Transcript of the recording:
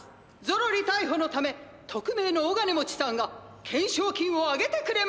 ゾロリたいほのためとくめいの大金持ちさんが懸賞金を上げてくれました。